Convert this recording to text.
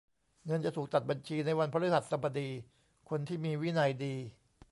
เงินจะถูกตัดบัญชีในวันพฤหัสบดี คนที่มีวินัยดี